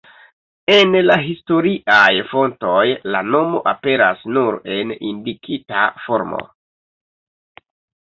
En la historiaj fontoj la nomo aperas nur en indikita formo.